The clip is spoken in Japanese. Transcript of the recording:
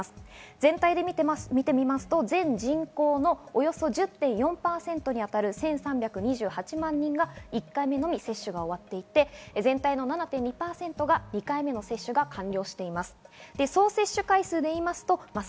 全体で見てみますと、全人口のおよそ１０．４％に当たる１３２８万人が１回目のみ接種が終わっていて全体の７．２％が２回目の接種が完了しています。